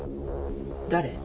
「誰？」